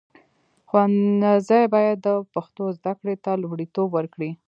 ښوونځي باید د پښتو زده کړې ته لومړیتوب ورکړي.